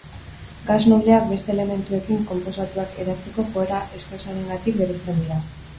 Gas nobleak beste elementuekin konposatuak eratzeko joera eskasarengatik bereizten dira.